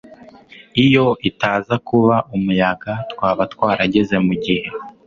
iyo itaza kuba umuyaga, twaba twarageze mugihe